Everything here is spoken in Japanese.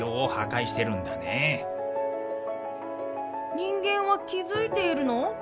人間は気付いているの？